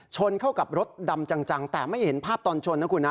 ชนเข้ากับรถดำจังแต่ไม่เห็นภาพตอนชนนะคุณนะ